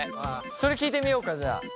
それ聞いてみようかじゃあ。